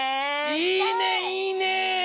いいねいいね。